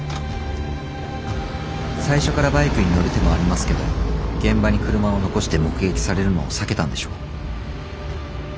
最初からバイクに乗る手もありますけど現場に車を残して目撃されるのを避けたんでしょう。